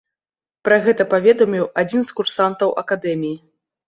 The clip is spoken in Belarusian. Пра гэта паведаміў адзін з курсантаў акадэміі.